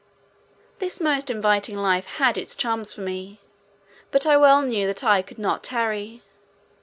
This most inviting life had its charms for me, but I well knew that I could not tarry.